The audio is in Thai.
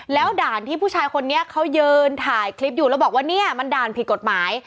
แล้วด่านที่ผู้ชายคนนี้เขายืนถ่ายคลิปอยู่แล้วบอกว่าเนี่ยมันด่านผิดกฎหมาย